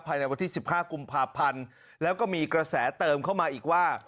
ภายในวันที่๑๕กุมภาพันธ์แล้วก็มีกระแสเติมเข้ามาอีกว่า